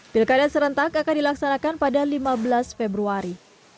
pilkada serentak akan dilaksanakan pada lima belas februari